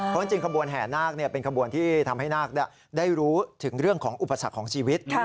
เพราะจริงขบวนแห่นาคเป็นขบวนที่ทำให้นาคได้รู้ถึงเรื่องของอุปสรรคของชีวิต